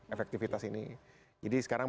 efektivitas ini jadi sekarang